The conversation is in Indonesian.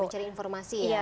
mencari informasi ya